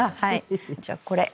じゃあこれ。